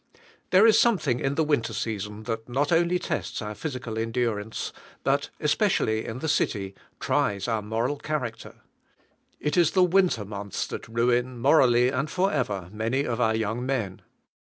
There is something in the winter season that not only tests our physical endurance, but, especially in the city, tries our moral character. It is the winter months that ruin, morally, and forever, many of our young men.